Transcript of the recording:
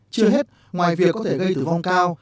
chưa hết ngoài việc có thể gây tử vong cao